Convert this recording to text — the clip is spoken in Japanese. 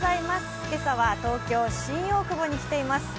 今朝は東京・新大久保に来ています。